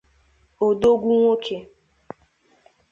odogwu nwoke